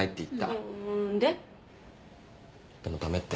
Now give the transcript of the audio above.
でも駄目って。